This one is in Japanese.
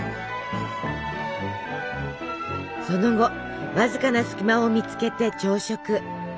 その後わずかな隙間を見つけて朝食。